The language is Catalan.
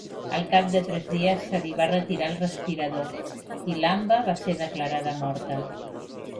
Al cap de tres dies, se li va retirar el respirador i Lamba va ser declarada morta.